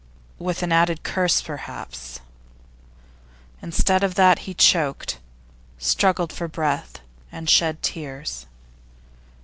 With an added curse perhaps Instead of that, he choked, struggled for breath, and shed tears.